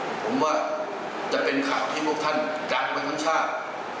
ผมว่าจะเป็นข่าวที่พวกท่านกันไว้ทั้งชาติ